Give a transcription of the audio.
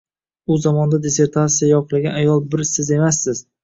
U zamonda dissertasiya yoqlagan ayol bir siz emassiz